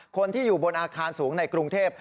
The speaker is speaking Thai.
คนที่อยู่บนอาคารสูงในกรุงเทพ